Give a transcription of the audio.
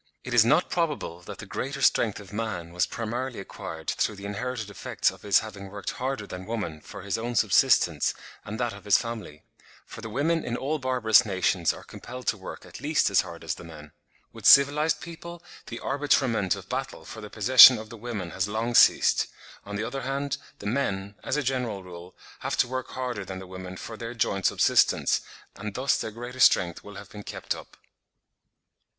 It is not probable that the greater strength of man was primarily acquired through the inherited effects of his having worked harder than woman for his own subsistence and that of his family; for the women in all barbarous nations are compelled to work at least as hard as the men. With civilised people the arbitrament of battle for the possession of the women has long ceased; on the other hand, the men, as a general rule, have to work harder than the women for their joint subsistence, and thus their greater strength will have been kept up.